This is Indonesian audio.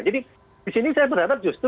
di sini saya berharap justru